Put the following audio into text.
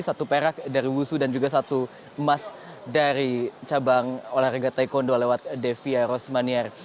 satu perak dari wushu dan juga satu emas dari cabang olahraga taekwondo lewat devia rosmaniar